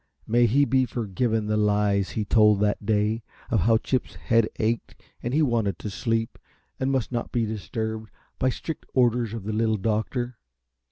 May he be forgiven the lies he told that day, of how Chip's head ached and he wanted to sleep and must not be disturbed, by strict orders of the Little Doctor.